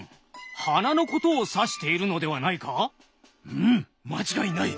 うん間違いない！